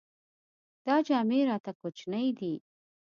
دا جامې راته کوچنۍ دي.